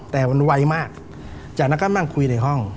แต่มันไวมากจากนั้นก็นั่งคุยในห้อง